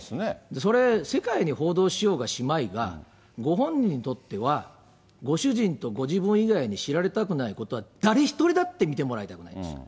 それ、世界に報道しようがしまいが、ご本人にとっては、ご主人とご自分以外に知られたくないことは誰一人だって見てもらいたくないですよ。